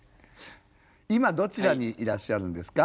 今どちらにいらっしゃるんですか？